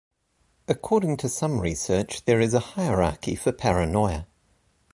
According to some research there is a hierarchy for paranoia.